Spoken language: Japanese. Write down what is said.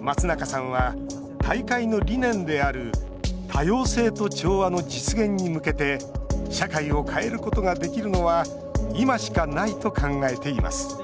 松中さんは大会の理念である多様性と調和の実現に向けて社会を変えることができるのは今しかないと考えています